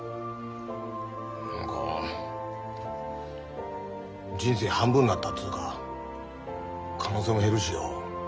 何か人生半分なったっつうか可能性も減るしよ。